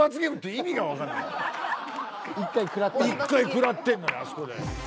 一回食らってんのにあそこで。